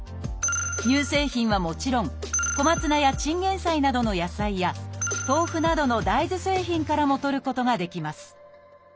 乳製品はもちろんコマツナやチンゲイサイなどの野菜や豆腐などの大豆製品からもとることができます